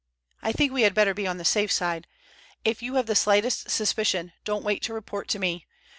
"I think we had better be on the safe side. If you have the slightest suspicion don't wait to report to me.